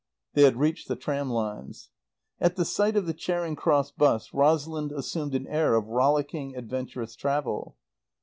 They had reached the tram lines. At the sight of the Charing Cross `bus Rosalind assumed an air of rollicking, adventurous travel.